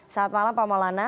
selamat malam pak maulana